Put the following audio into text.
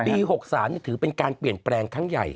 ปี๖๓ถือเป็นการเปลี่ยนแปลงครั้งใหญ่